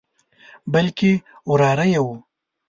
بلکې وراره یې وو.